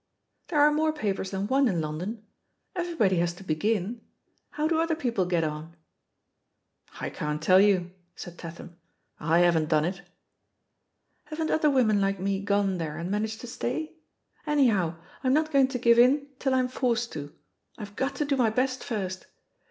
"There are more papers than one in London. Everybody has to begin. How do other people get on?" "I can't tell you,'* said Tatham; "I haven't done it." "Haven't other women like me gone there and managed to stay? Anyhow, I'm not going to give in till I'm forced to — I've got to do my best first.